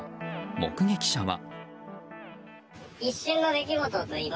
目撃者は。